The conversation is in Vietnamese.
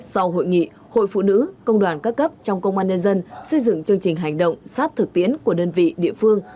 sau hội nghị hội phụ nữ công đoàn các cấp trong công an nhân dân xây dựng chương trình hành động sát thực tiễn của đơn vị địa phương